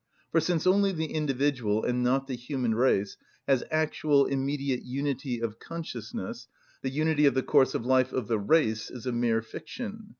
For, since only the individual, and not the human race, has actual, immediate unity of consciousness, the unity of the course of life of the race is a mere fiction.